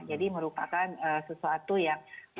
jadi merupakan sesuatu yang